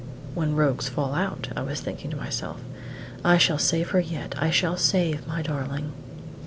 "When rogues fall out!" I was thinking to myself. "I shall save her yet I shall save my darling!"